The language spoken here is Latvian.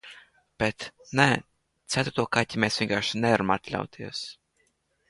Bet, nē, ceturto kaķi mēs vienkārši nevaram atļauties...